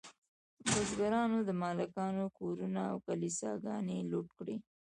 بزګرانو د مالکانو کورونه او کلیساګانې لوټ کړې.